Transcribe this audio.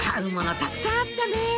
たくさんあったね